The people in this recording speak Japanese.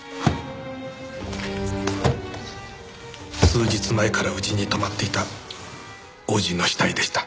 数日前から家に泊まっていた叔父の死体でした。